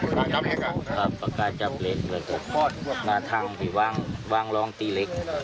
พวกมันคำว่าปากกาจับเหล็กแล้วก็มาทางไปวางร้องตีเล็ก